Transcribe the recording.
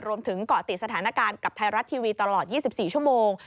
รวมถึงเกาะติดสถานการณ์กับไทยรัฐทีวีตลอด๒๔ชั่วโมง